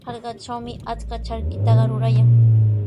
Hallqatrawmi achka charkitaqa rurayan.